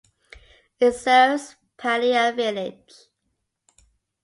It serves Palia village.